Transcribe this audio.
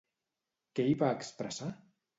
Què hi va expressar?